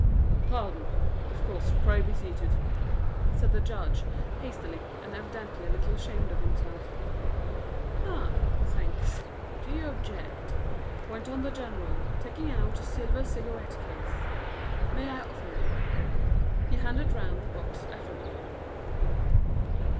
"Pardon. Of course; pray be seated," said the Judge, hastily, and evidently a little ashamed of himself. "Ah! thanks. Do you object?" went on the General, taking out a silver cigarette case. "May I offer one?" He handed round the box affably.